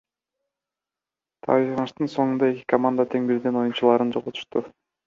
Таймаштын соңунда эки команда тең бирден оюнчуларын жоготушту.